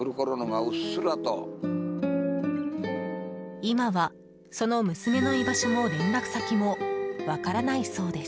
今は、その娘の居場所も連絡先も分からないそうです。